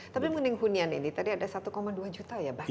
tapi mengenai kehunian ini tadi ada satu dua juta ya backlog ya